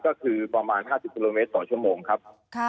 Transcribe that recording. ก็คือประมาณ๕๐กิโลเมตรต่อชั่วโมงครับ